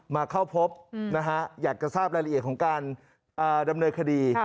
มาเข้าพบนะฮะอยากจะทราบรายละเอียดของการดำเนินคดี